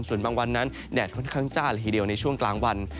ส่วนบางวันนั้นแดดค่อนข้างจ้าละทีเดียวในช่วงกลางวัน